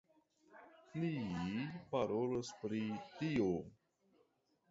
Ni parolas pri tio.